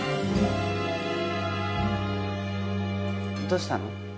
どうしたの？